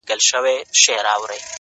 دا سپك هنر نه دى چي څوك يې پــټ كړي!!